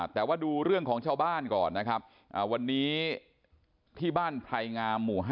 แต่ว่าดูเรื่องของชาวบ้านก่อนนะครับวันนี้ที่บ้านไพรงามหมู่๕